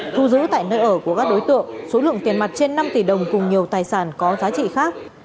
thu giữ tại nơi ở của các đối tượng số lượng tiền mặt trên năm tỷ đồng cùng nhiều tài sản có giá trị khác